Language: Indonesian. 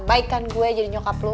baikan gue jadi nyokap lo